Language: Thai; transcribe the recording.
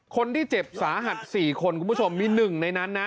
คนที่เจ็บสาหัส๔คนคุณผู้ชมมีหนึ่งในนั้นนะ